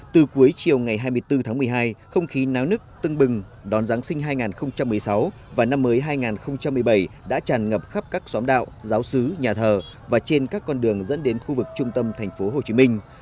từ cuối chiều ngày hai mươi bốn tháng một mươi hai không khí náo nức tưng bừng đón giáng sinh hai nghìn một mươi sáu và năm mới hai nghìn một mươi bảy đã tràn ngập khắp các xóm đạo giáo sứ nhà thờ và trên các con đường dẫn đến khu vực trung tâm thành phố hồ chí minh